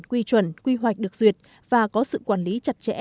quy chuẩn quy hoạch được duyệt và có sự quản lý chặt chẽ